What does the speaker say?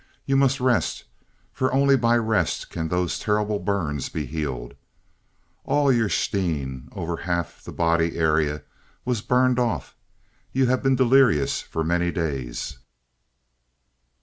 You must rest, for only by rest can those terrible burns be healed. All your stheen over half the body area was burned off. You have been delirious for many days."